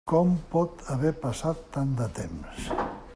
Com pot haver passat tant de temps?